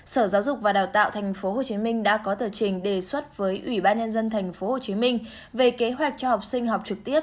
sở giáo dục và đào tạo tp hcm đã có tờ trình đề xuất với ubnd tp hcm về kế hoạch cho học sinh học trực tiếp